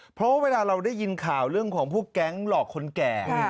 เพราะว่าเวลาเราได้ยินข่าวเรื่องของพวกแก๊งหลอกคนแก่